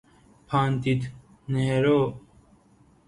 پاندیت نهرو